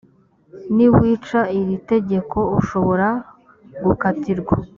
niwica iri tegeko ushobora gukatirwa